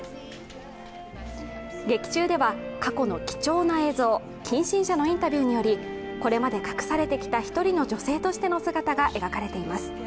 劇中では過去の貴重な影像、近親者のインタビューによりこれまで隠されてきた１人の女性としての姿が描かれています。